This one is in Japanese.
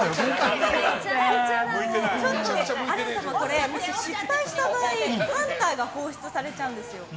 アレン様、もし失敗した場合ハンターが放出されちゃうんですよ。